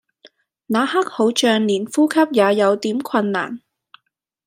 那刻好像連呼吸也有點困難